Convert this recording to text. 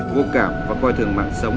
vô cảm và coi thường mạng sống